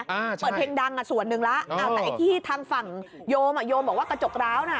เปิดเพลงดังส่วนหนึ่งแล้วแต่ไอ้ที่ทางฝั่งโยมโยมบอกว่ากระจกร้าวน่ะ